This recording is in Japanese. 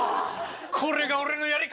これが俺のやり方。